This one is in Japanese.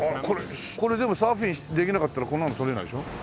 これでもサーフィンできなかったらこんなの撮れないでしょ？